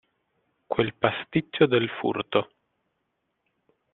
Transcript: Quel pasticcio del furto.